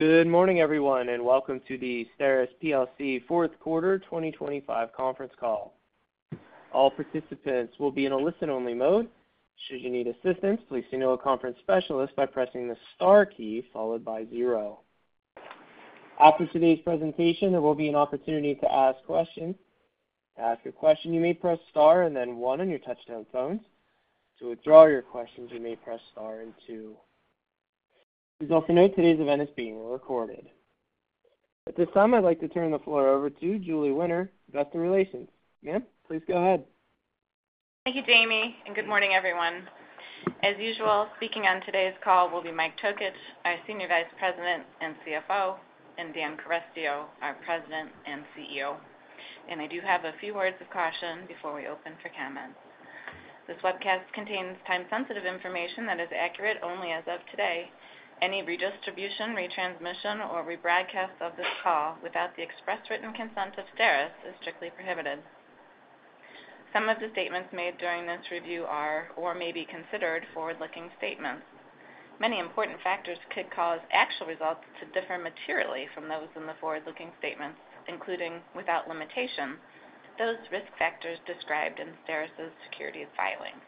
Good morning, everyone, and welcome to the STERIS plc Fourth Quarter 2025 Conference Call. All participants will be in a listen-only mode. Should you need assistance, please signal a conference specialist by pressing the star key followed by zero. After today's presentation, there will be an opportunity to ask questions. To ask a question, you may press star and then one on your touch-tone phones. To withdraw your questions, you may press star and two. Please also note today's event is being recorded. At this time, I'd like to turn the floor over to Julie Winter, Investor Relations. Ma'am, please go ahead. Thank you, Jamie, and good morning, everyone. As usual, speaking on today's call will be Mike Tokich, our Senior Vice President and CFO, and Dan Carestio, our President and CEO. I do have a few words of caution before we open for comments. This webcast contains time-sensitive information that is accurate only as of today. Any redistribution, retransmission, or rebroadcast of this call without the express written consent of STERIS is strictly prohibited. Some of the statements made during this review are or may be considered forward-looking statements. Many important factors could cause actual results to differ materially from those in the forward-looking statements, including without limitation, those risk factors described in STERIS's Securities Filings.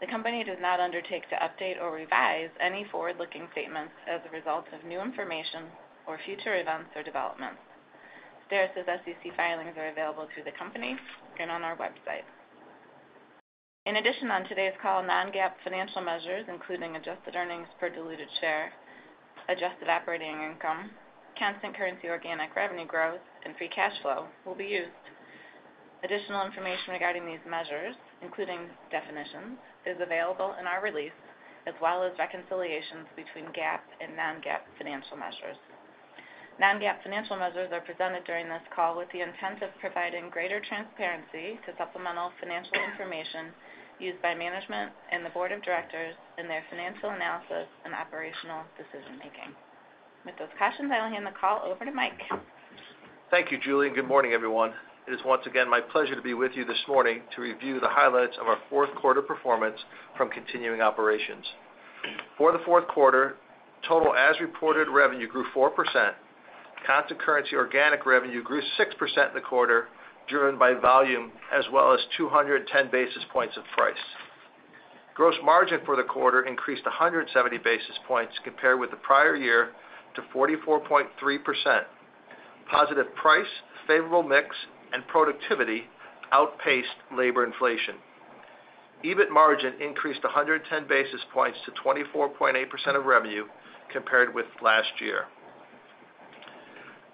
The company does not undertake to update or revise any forward-looking statements as a result of new information or future events or developments. STERIS's SEC filings are available through the company and on our website. In addition, on today's call, non-GAAP financial measures, including adjusted earnings per diluted share, adjusted operating income, constant currency organic revenue growth, and free cash flow, will be used. Additional information regarding these measures, including definitions, is available in our release, as well as reconciliations between GAAP and non-GAAP financial measures. Non-GAAP financial measures are presented during this call with the intent of providing greater transparency to supplemental financial information used by Management and the Board of Directors in their financial analysis and operational decision-making. With those cautions, I'll hand the call over to Mike. Thank you, Julie. Good morning, everyone. It is once again my pleasure to be with you this morning to review the highlights of our fourth quarter performance from continuing operations. For the fourth quarter, total as reported revenue grew 4%. Constant currency organic revenue grew 6% in the quarter, driven by volume as well as 210 basis points of price. Gross margin for the quarter increased 170 basis points compared with the prior year to 44.3%. Positive price, favorable mix, and productivity outpaced labor inflation. EBIT margin increased 110 basis points to 24.8% of revenue compared with last year.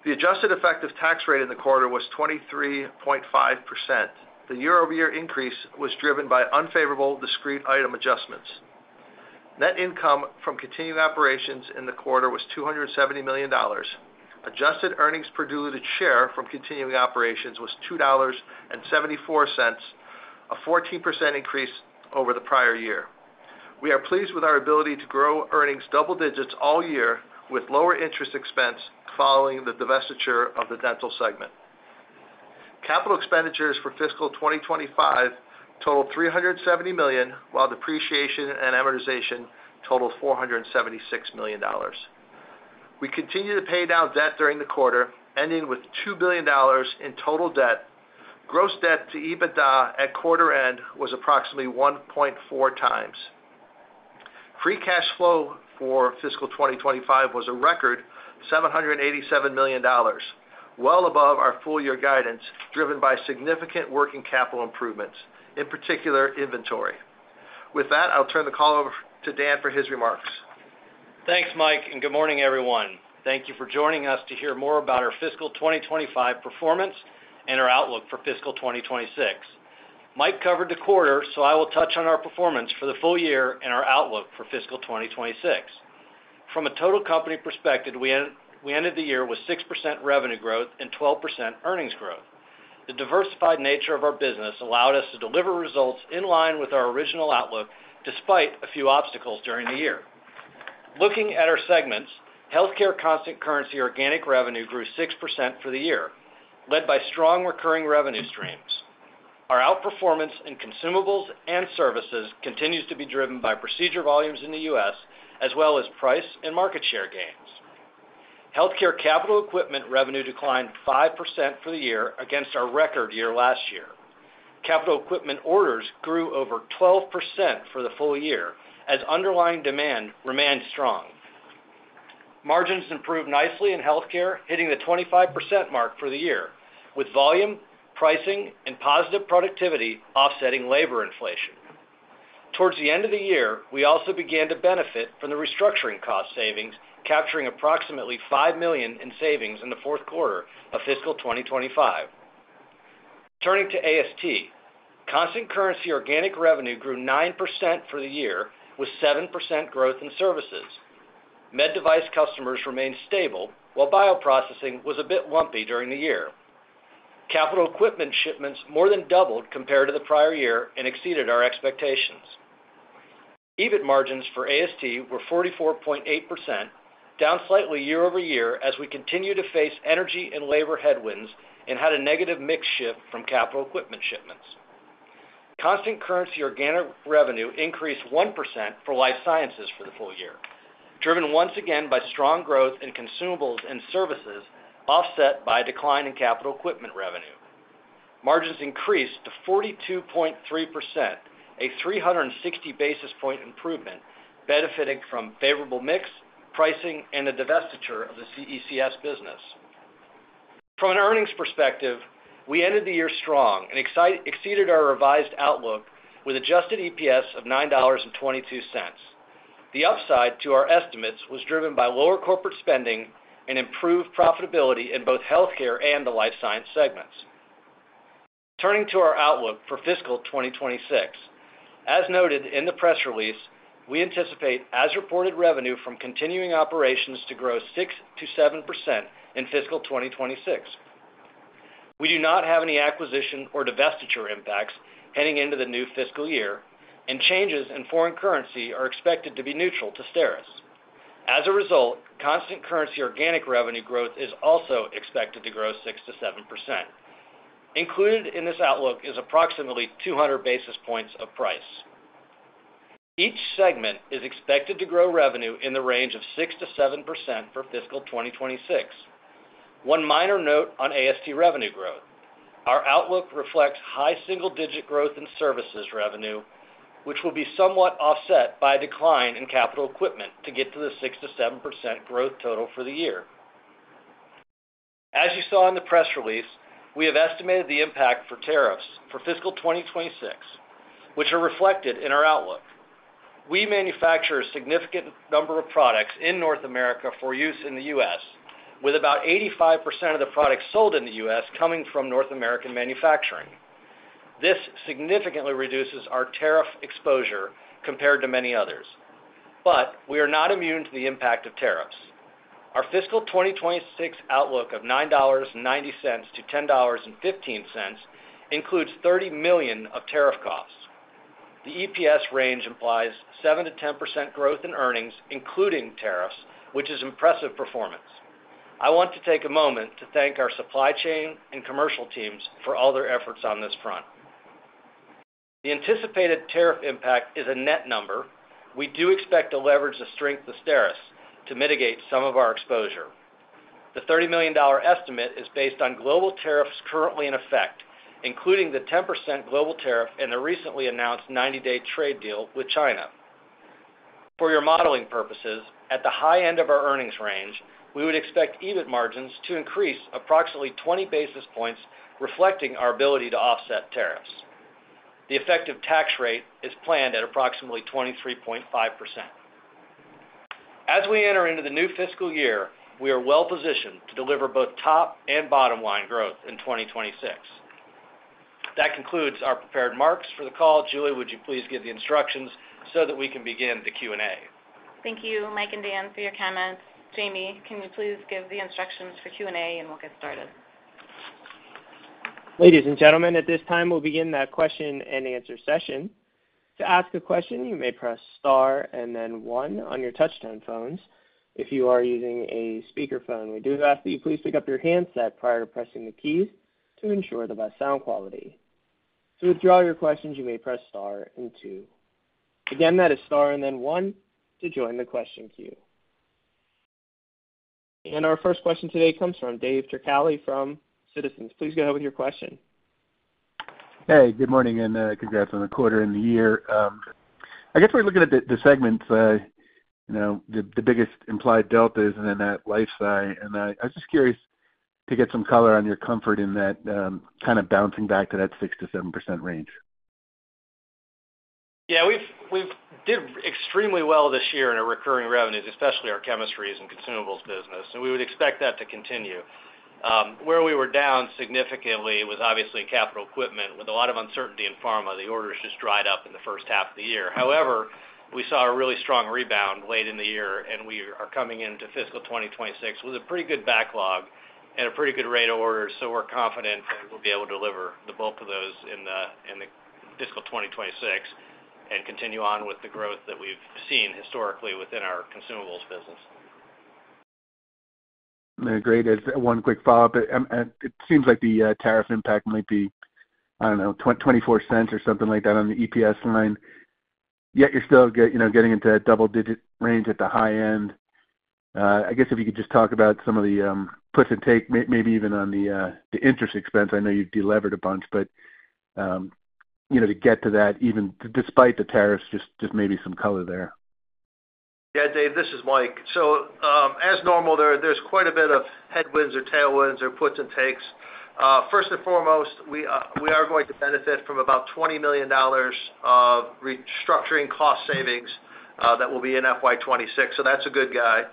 The adjusted effective tax rate in the quarter was 23.5%. The year-over-year increase was driven by unfavorable discrete item adjustments. Net income from continuing operations in the quarter was $270 million. Adjusted earnings per diluted share from continuing operations was $2.74, a 14% increase over the prior year. We are pleased with our ability to grow earnings double-digits all year with lower interest expense following the divestiture of the dental segment. Capital expenditures for fiscal 2025 total $370 million, while depreciation and amortization totaled $476 million. We continue to pay down debt during the quarter, ending with $2 billion in total debt. Gross debt to EBITDA at quarter end was approximately 1.4x. Free cash flow for fiscal 2025 was a record, $787 million, well above our full-year guidance, driven by significant working capital improvements, in particular inventory. With that, I'll turn the call over to Dan for his remarks. Thanks, Mike, and good morning, everyone. Thank you for joining us to hear more about our fiscal 2025 performance and our outlook for fiscal 2026. Mike covered the quarter, so I will touch on our performance for the full year and our outlook for fiscal 2026. From a total company perspective, we ended the year with 6% revenue growth and 12% earnings growth. The diversified nature of our business allowed us to deliver results in line with our original outlook, despite a few obstacles during the year. Looking at our segments, healthcare constant currency organic revenue grew 6% for the year, led by strong recurring revenue streams. Our outperformance in Consumables and services continues to be driven by procedure volumes in the U.S., as well as price and market share gains. Healthcare capital equipment revenue declined 5% for the year against our record year last year. Capital equipment orders grew over 12% for the full year as underlying demand remained strong. Margins improved nicely in Healthcare, hitting the 25% mark for the year, with volume, pricing, and positive productivity offsetting labor inflation. Towards the end of the year, we also began to benefit from the restructuring cost savings, capturing approximately $5 million in savings in the fourth quarter of fiscal 2025. Turning to AST, constant currency organic revenue grew 9% for the year, with 7% growth in services. Med device customers remained stable, while bioprocessing was a bit lumpy during the year. Capital equipment shipments more than doubled compared to the prior year and exceeded our expectations. EBIT margins for AST were 44.8%, down slightly year-over-year as we continue to face energy and labor headwinds and had a negative mix shift from capital equipment shipments. Constant currency organic revenue increased 1% for Life Sciences for the full year, driven once again by strong growth in Consumables and services offset by a decline in capital equipment revenue. Margins increased to 42.3%, a 360 basis point improvement, benefiting from favorable mix, pricing, and the divestiture of the CECS business. From an earnings perspective, we ended the year strong and exceeded our revised outlook with an adjusted EPS of $9.22. The upside to our estimates was driven by lower corporate spending and improved profitability in both Healthcare and the Life Science segments. Turning to our outlook for fiscal 2026, as noted in the press release, we anticipate as reported revenue from continuing operations to grow 6%-7% in fiscal 2026. We do not have any acquisition or divestiture impacts heading into the new fiscal year, and changes in foreign currency are expected to be neutral to STERIS. As a result, constant currency organic revenue growth is also expected to grow 6%-7%. Included in this outlook is approximately 200 basis points of price. Each segment is expected to grow revenue in the range of 6%-7% for fiscal 2026. One minor note on AST revenue growth: our outlook reflects high single-digit growth in Services revenue, which will be somewhat offset by a decline in capital equipment to get to the 6%-7% growth total for the year. As you saw in the press release, we have estimated the impact for tariffs for fiscal 2026, which are reflected in our outlook. We manufacture a significant number of products in North America for use in the U.S., with about 85% of the products sold in the U.S. coming from North American manufacturing. This significantly reduces our tariff exposure compared to many others. We are not immune to the impact of tariffs. Our fiscal 2026 outlook of $9.90-$10.15 includes $30 million of tariff costs. The EPS range implies 7%-10% growth in earnings, including tariffs, which is impressive performance. I want to take a moment to thank our supply chain and commercial teams for all their efforts on this front. The anticipated tariff impact is a net number. We do expect to leverage the strength of STERIS to mitigate some of our exposure. The $30 million estimate is based on global tariffs currently in effect, including the 10% global tariff and the recently announced 90-day trade deal with China. For your modeling purposes, at the high end of our earnings range, we would expect EBIT margins to increase approximately 20 basis points, reflecting our ability to offset tariffs. The effective tax rate is planned at approximately 23.5%. As we enter into the new fiscal year, we are well-positioned to deliver both top and bottom-line growth in 2026. That concludes our prepared marks for the call. Julie, would you please give the instructions so that we can begin the Q&A? Thank you, Mike and Dan, for your comments. Jamie, can you please give the instructions for Q&A, and we'll get started? Ladies and gentlemen, at this time, we'll begin that question-and-answer session. To ask a question, you may press star and then one on your touch-tone phones. If you are using a speakerphone, we do ask that you please pick up your handset prior to pressing the keys to ensure the best sound quality. To withdraw your questions, you may press star and two. Again, that is star and then one to join the question queue. Our first question today comes from Dave Turkaly from Citizens. Please go ahead with your question. Hey, good morning and congrats on the quarter and the year. I guess we're looking at the segments, the biggest implied deltas and then that Life Sciences. And I was just curious to get some color on your comfort in that kind of bouncing back to that 6%-7% range. Yeah, we did extremely well this year in our recurring revenues, especially our chemistries and Consumables business. We would expect that to continue. Where we were down significantly was obviously capital equipment. With a lot of uncertainty in pharma, the orders just dried up in the first half of the year. However, we saw a really strong rebound late in the year, and we are coming into fiscal 2026 with a pretty good backlog and a pretty good rate of orders. We are confident that we will be able to deliver the bulk of those in fiscal 2026 and continue on with the growth that we have seen historically within our Consumables business. Great. As one quick follow-up, it seems like the tariff impact might be, I do not know, $0.24 or something like that on the EPS line. Yet you are still getting into a double-digit range at the high end. I guess if you could just talk about some of the puts and takes, maybe even on the interest expense. I know you have delivered a bunch, but to get to that, even despite the tariffs, just maybe some color there. Yeah, Dave, this is Mike. As normal, there's quite a bit of headwinds or tailwinds or puts and takes. First and foremost, we are going to benefit from about $20 million of restructuring cost savings that will be in FY 2026. That's a good guy.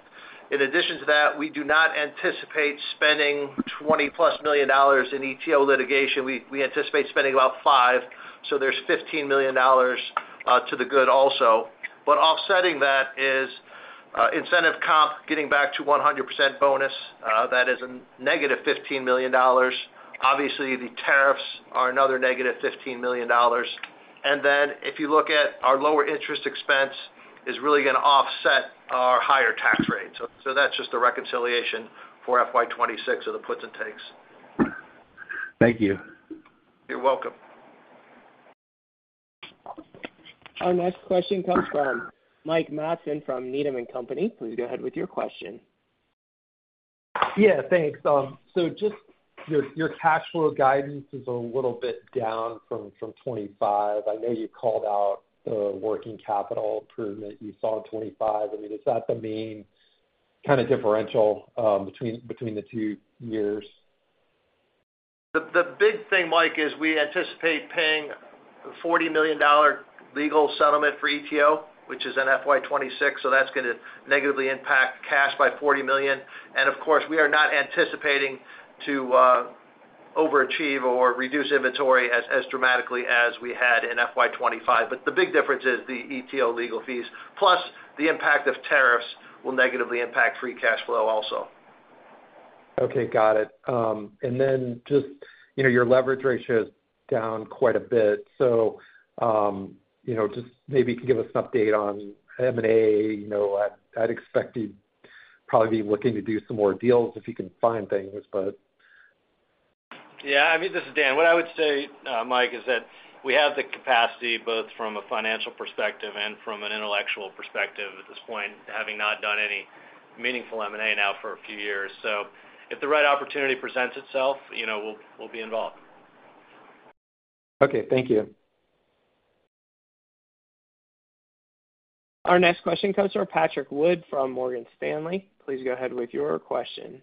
In addition to that, we do not anticipate spending +$20 million in ETO litigation. We anticipate spending about $5 million, so there's $15 million to the good also. Offsetting that is incentive comp getting back to 100% bonus. That is a -$15 million. Obviously, the tariffs are another -$15 million. If you look at our lower interest expense, it's really going to offset our higher tax rate. That's just the reconciliation for FY 2026 of the puts and takes. Thank you. You're welcome. Our next question comes from Mike Matson from Needham & Company. Please go ahead with your question. Yeah, thanks. Just your cash flow guidance is a little bit down from 2025. I know you called out the working capital improvement you saw in 2025. I mean, is that the main kind of differential between the two years? The big thing, Mike, is we anticipate paying a $40 million legal settlement for ETO, which is in FY 2026. That is going to negatively impact cash by $40 million. Of course, we are not anticipating to overachieve or reduce inventory as dramatically as we had in FY 2025. The big difference is the ETO legal fees, plus the impact of tariffs will negatively impact free cash flow also. Okay, got it. And then just your leverage ratio is down quite a bit. So just maybe you can give us an update on M&A. I'd expect you'd probably be looking to do some more deals if you can find things, but. Yeah, I mean, this is Dan. What I would say, Mike, is that we have the capacity both from a financial perspective and from an intellectual perspective at this point, having not done any meaningful M&A now for a few years. If the right opportunity presents itself, we'll be involved. Okay, thank you. Our next question comes from Patrick Wood from Morgan Stanley. Please go ahead with your question.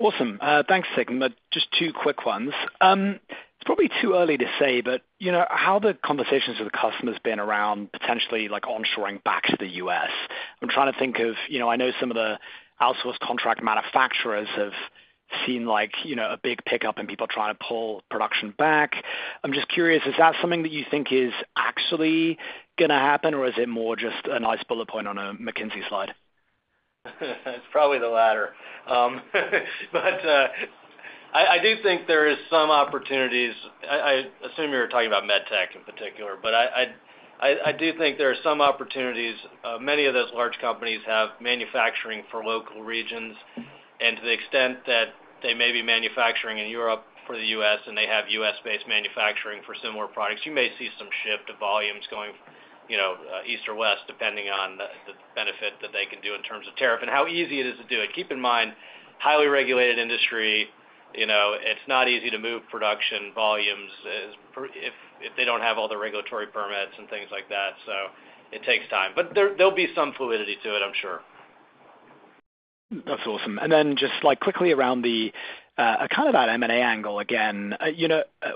Awesome. Thanks, [Sigmund]. Just two quick ones. It's probably too early to say, but how have the conversations with the customers been around potentially onshoring back to the U.S.? I'm trying to think of, I know some of the outsourced contract manufacturers have seen a big pickup in people trying to pull production back. I'm just curious, is that something that you think is actually going to happen, or is it more just a nice bullet point on a McKinsey slide? It's probably the latter. I do think there are some opportunities. I assume you're talking about med tech in particular, but I do think there are some opportunities. Many of those large companies have manufacturing for local regions. To the extent that they may be manufacturing in Europe for the U.S. and they have U.S.-based manufacturing for similar products, you may see some shift of volumes going east or west, depending on the benefit that they can do in terms of tariff and how easy it is to do it. Keep in mind, highly regulated industry, it's not easy to move production volumes if they don't have all the regulatory permits and things like that. It takes time. There'll be some fluidity to it, I'm sure. That's awesome. Just quickly around kind of that M&A angle again,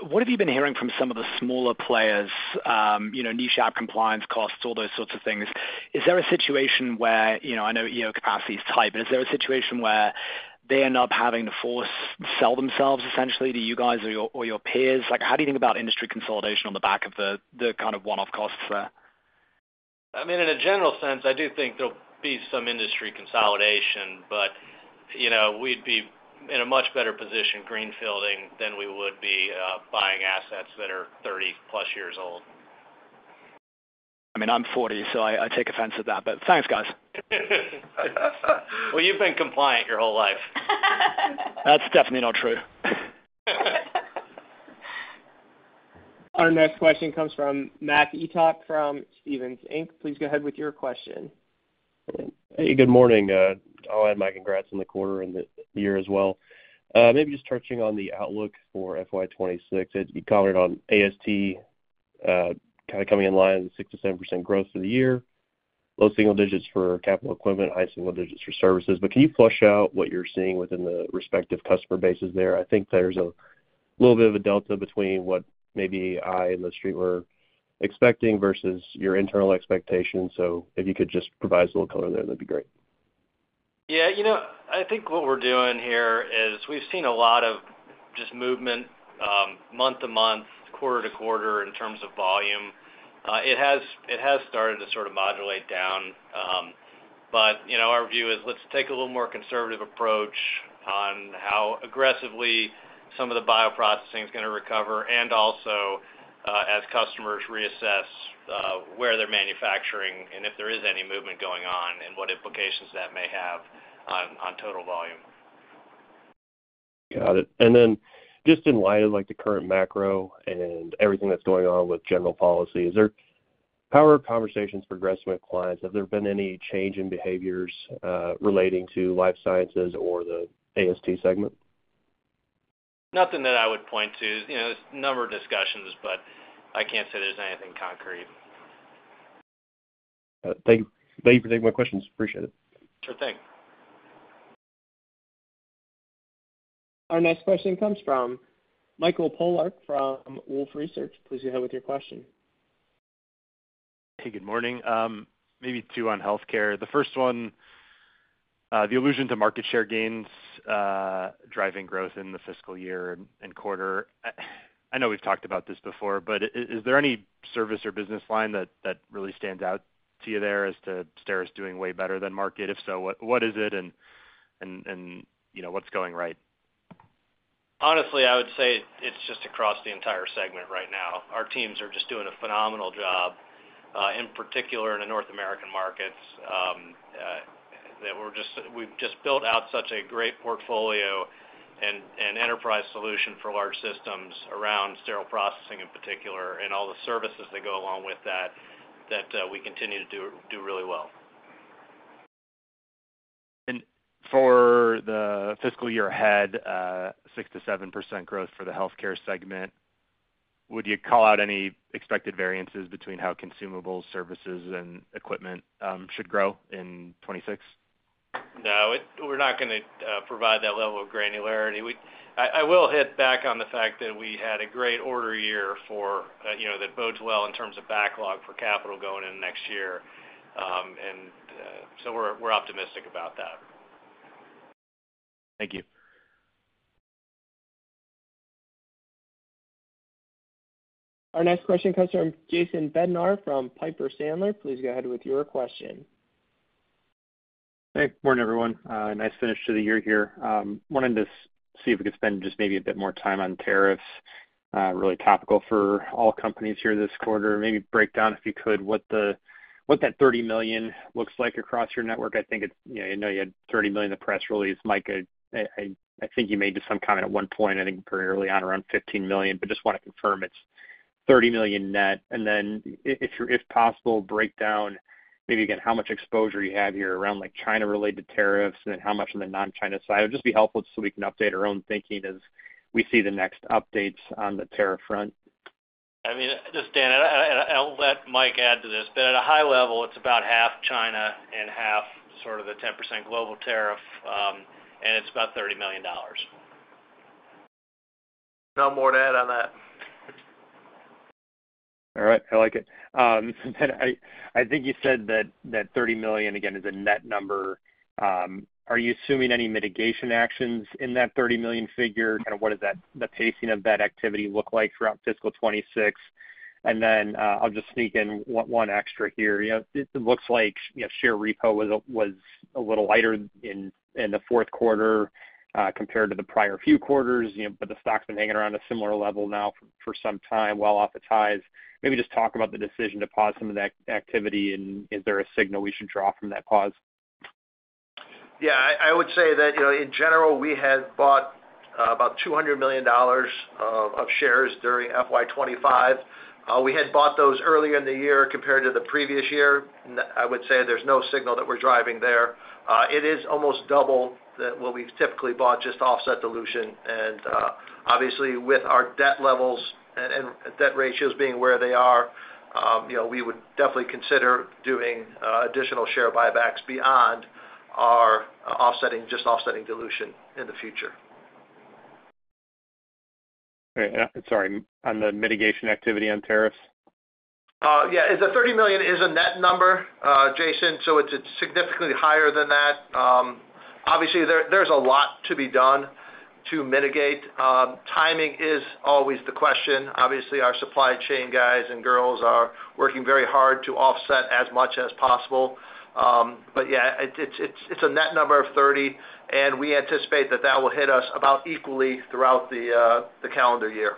what have you been hearing from some of the smaller players, niche app compliance costs, all those sorts of things? Is there a situation where I know capacity is tight, but is there a situation where they end up having to force sell themselves essentially to you guys or your peers? How do you think about industry consolidation on the back of the kind of one-off costs there? I mean, in a general sense, I do think there'll be some industry consolidation, but we'd be in a much better position greenfielding than we would be buying assets that are 30+ years old. I mean, I'm 40, so I take offense at that, but thanks, guys. You have been compliant your whole life. That's definitely not true. Our next question comes from Mac Etoch from Stephens Inc. Please go ahead with your question. Hey, good morning. I'll add my congrats on the quarter and the year as well. Maybe just touching on the outlook for FY 2026, you commented on AST kind of coming in line with the 6%-7% growth for the year. Low single-digits for capital equipment, high single-digits for Services. Can you flush out what you're seeing within the respective customer bases there? I think there's a little bit of a delta between what maybe I and the street were expecting versus your internal expectations. If you could just provide us a little color there, that'd be great. Yeah, I think what we're doing here is we've seen a lot of just movement month to month, quarter-to-quarter in terms of volume. It has started to sort of modulate down. Our view is let's take a little more conservative approach on how aggressively some of the Bioprocessing is going to recover and also as customers reassess where they're manufacturing and if there is any movement going on and what implications that may have on total volume. Got it. And then just in light of the current macro and everything that's going on with general policy, how are conversations progressing with clients? Have there been any change in behaviors relating to Life Sciences or the AST segment? Nothing that I would point to. There's a number of discussions, but I can't say there's anything concrete. Thank you for taking my questions. Appreciate it. Sure thing. Our next question comes from Michael Polark from Wolfe Research. Please go ahead with your question. Hey, good morning. Maybe two on Healthcare. The first one, the allusion to market share gains driving growth in the fiscal year and quarter. I know we've talked about this before, but is there any service or business line that really stands out to you there as to STERIS doing way better than market? If so, what is it and what's going right? Honestly, I would say it's just across the entire segment right now. Our teams are just doing a phenomenal job, in particular in the North American markets, that we've just built out such a great portfolio and enterprise solution for large systems around sterile processing in particular and all the services that go along with that that we continue to do really well. For the fiscal year ahead, 6%-7% growth for the Healthcare segment, would you call out any expected variances between how Consumables, services, and equipment should grow in 2026? No, we're not going to provide that level of granularity. I will hit back on the fact that we had a great order year for that bodes well in terms of backlog for capital going in next year. We are optimistic about that. Thank you. Our next question comes from Jason Bednar from Piper Sandler. Please go ahead with your question. Hey, morning, everyone. Nice finish to the year here. Wanted to see if we could spend just maybe a bit more time on tariffs. Really topical for all companies here this quarter. Maybe break down, if you could, what that $30 million looks like across your network. I think I know you had $30 million in the press release. Mike, I think you made just some comment at one point, I think very early on, around $15 million. Just want to confirm it's $30 million net. If possible, break down maybe again how much exposure you have here around China-related tariffs and then how much on the non-China side. It would just be helpful just so we can update our own thinking as we see the next updates on the tariff front. I mean, just, Dan, and I'll let Mike add to this, but at a high level, it's about half China and half sort of the 10% global tariff, and it's about $30 million. No more to add on that. All right. I like it. I think you said that $30 million, again, is a net number. Are you assuming any mitigation actions in that $30 million figure? Kind of what does the pacing of that activity look like throughout fiscal 2026? I'll just sneak in one extra here. It looks like share repo was a little lighter in the fourth quarter compared to the prior few quarters, but the stock's been hanging around a similar level now for some time, well off its highs. Maybe just talk about the decision to pause some of that activity, and is there a signal we should draw from that pause? Yeah, I would say that in general, we had bought about $200 million of shares during FY 2025. We had bought those earlier in the year compared to the previous year. I would say there's no signal that we're driving there. It is almost double what we've typically bought, just offset dilution. Obviously, with our debt levels and debt ratios being where they are, we would definitely consider doing additional share buybacks beyond our just offsetting dilution in the future. Sorry, on the mitigation activity on tariffs? Yeah, the $30 million is a net number, Jason, so it's significantly higher than that. Obviously, there's a lot to be done to mitigate. Timing is always the question. Obviously, our supply chain guys and girls are working very hard to offset as much as possible. Yeah, it's a net number of $30 million, and we anticipate that that will hit us about equally throughout the calendar year.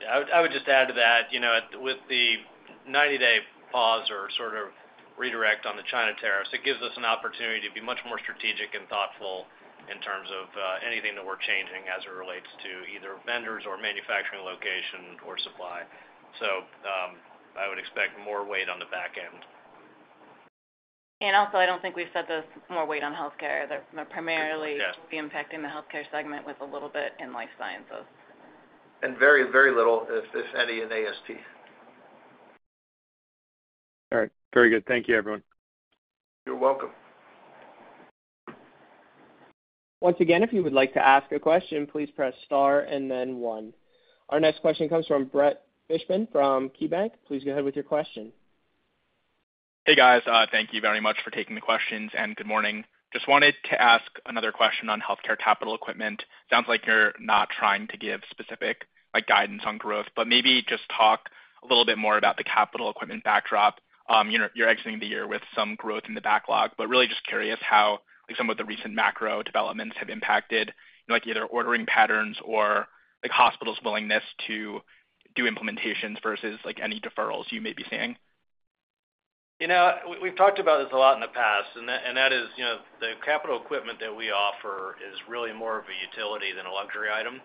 Yeah, I would just add to that, with the 90-day pause or sort of redirect on the China tariffs, it gives us an opportunity to be much more strategic and thoughtful in terms of anything that we're changing as it relates to either vendors or manufacturing location or supply. I would expect more weight on the back end. I don't think we've said this: more weight on Healthcare. They're primarily impacting the Healthcare segment with a little bit in Life Sciences. Very little, if any, in AST. All right. Very good. Thank you, everyone. You're welcome. Once again, if you would like to ask a question, please press star and then one. Our next question comes from Brett Fishman from KeyBanc. Please go ahead with your question. Hey, guys. Thank you very much for taking the questions, and good morning. Just wanted to ask another question on Healthcare capital equipment. Sounds like you're not trying to give specific guidance on growth, but maybe just talk a little bit more about the capital equipment backdrop. You're exiting the year with some growth in the backlog, but really just curious how some of the recent macro developments have impacted either ordering patterns or hospitals' willingness to do implementations versus any deferrals you may be seeing. We've talked about this a lot in the past, and that is the capital equipment that we offer is really more of a utility than a luxury item.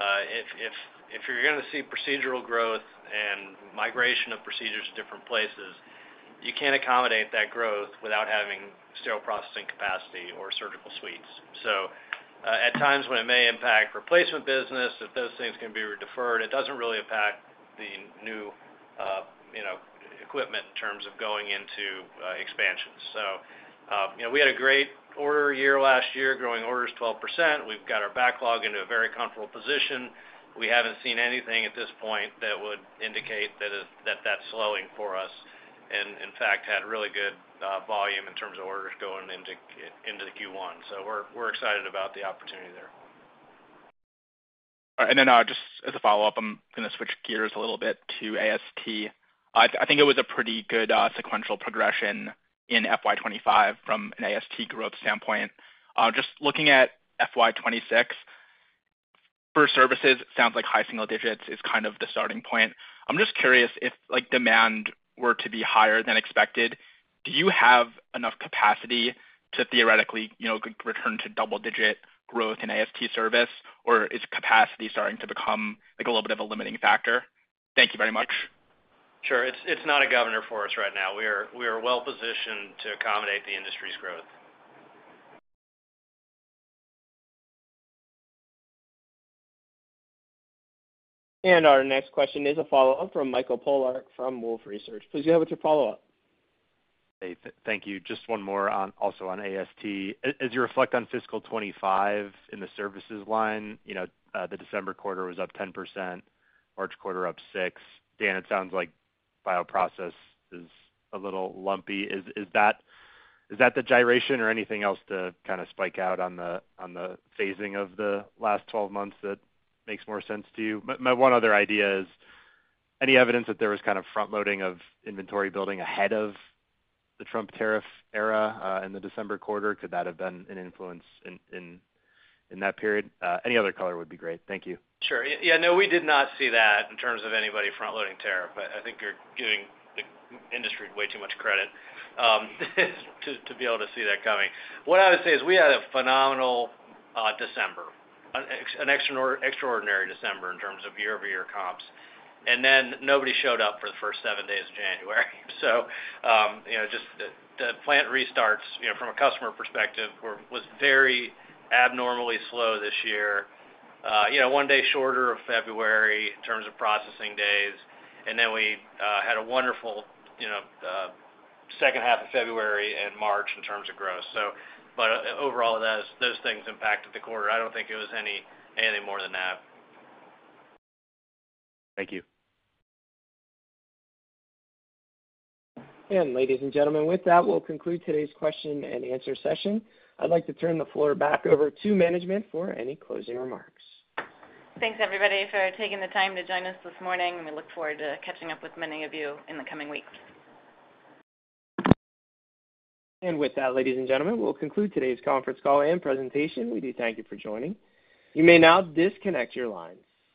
If you're going to see procedural growth and migration of procedures to different places, you can't accommodate that growth without having sterile processing capacity or surgical suites. At times when it may impact replacement business, if those things can be deferred, it doesn't really impact the new equipment in terms of going into expansions. We had a great order year last year, growing orders 12%. We've got our backlog into a very comfortable position. We haven't seen anything at this point that would indicate that that's slowing for us and, in fact, had really good volume in terms of orders going into Q1. We're excited about the opportunity there. All right. Just as a follow-up, I'm going to switch gears a little bit to AST. I think it was a pretty good sequential progression in FY 2025 from an AST growth standpoint. Just looking at FY 2026, for services, it sounds like high single-digits is kind of the starting point. I'm just curious, if demand were to be higher than expected, do you have enough capacity to theoretically return to double-digit growth in AST service, or is capacity starting to become a little bit of a limiting factor? Thank you very much. Sure. It's not a governor for us right now. We are well-positioned to accommodate the industry's growth. Our next question is a follow-up from Michael Polark from Wolfe Research. Please go ahead with your follow-up. Thank you. Just one more also on AST. As you reflect on fiscal 2025 in the services line, the December quarter was up 10%, March quarter up 6%. Dan, it sounds like bioprocess is a little lumpy. Is that the gyration or anything else to kind of spike out on the phasing of the last 12 months that makes more sense to you? My one other idea is any evidence that there was kind of front-loading of inventory building ahead of the Trump tariff era in the December quarter? Could that have been an influence in that period? Any other color would be great. Thank you. Sure. Yeah, no, we did not see that in terms of anybody front-loading tariff. I think you're giving the industry way too much credit to be able to see that coming. What I would say is we had a phenomenal December, an extraordinary December in terms of year-over-year comps. Nobody showed up for the first seven days of January. Just the plant restarts from a customer perspective was very abnormally slow this year, one day shorter of February in terms of processing days. We had a wonderful second half of February and March in terms of growth. Overall, those things impacted the quarter. I do not think it was anything more than that. Thank you. Ladies and gentlemen, with that, we'll conclude today's question and answer session. I'd like to turn the floor back over to management for any closing remarks. Thanks, everybody, for taking the time to join us this morning. We look forward to catching up with many of you in the coming weeks. With that, ladies and gentlemen, we'll conclude today's conference call and presentation. We do thank you for joining. You may now disconnect your lines.